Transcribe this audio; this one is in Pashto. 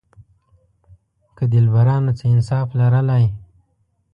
که دلبرانو څه انصاف لرلای.